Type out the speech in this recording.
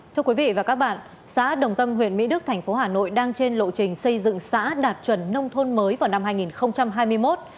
thưa quý vị và các bạn xã đồng tâm huyện mỹ đức thành phố hà nội đang trên lộ trình xây dựng xã đạt chuẩn nông thôn mới vào năm hai nghìn hai mươi một